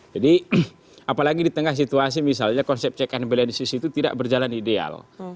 jadi apalagi di tengah situasi misalnya konsep check and balance itu tidak berjalan ideal